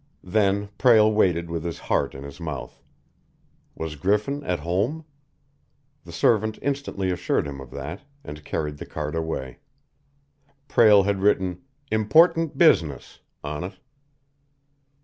Then Prale waited with his heart in his mouth. Was Griffin at home? The servant instantly assured him of that, and carried the card away. Prale had written "Important Business" on it.